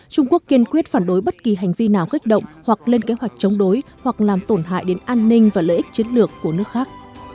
trung quốc kiên quyết phản đối bất kỳ hành vi nào kích động hoặc lên kế hoạch chống đối hoặc làm tổn hại đến an ninh và lợi ích chiến lược của nước khác